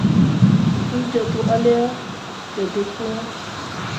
تس جذوں الے آ تے دیخنے آں